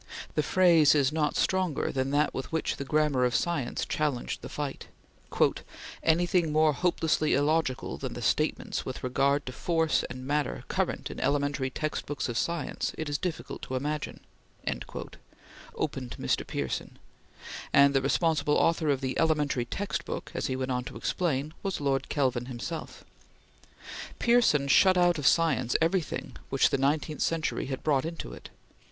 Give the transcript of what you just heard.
The phrase is not stronger than that with which the "Grammar of Science" challenged the fight: "Anything more hopelessly illogical than the statements with regard to Force and Matter current in elementary textbooks of science, it is difficult to imagine," opened Mr. Pearson, and the responsible author of the "elementary textbook," as he went on to explain, was Lord Kelvin himself. Pearson shut out of science everything which the nineteenth century had brought into it.